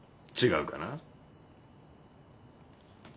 違うかな？